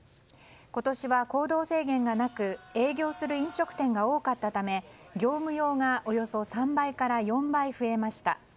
今年は行動制限がなく営業する飲食店が多かったため業務用がおよそ３倍から４倍増えました。